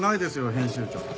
編集長。